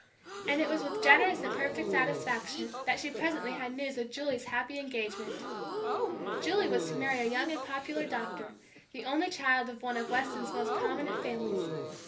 And it was with generous and perfect satisfaction that she presently had news of Julie's happy engagement. Julie was to marry a young and popular doctor, the only child of one of Weston's most prominent families.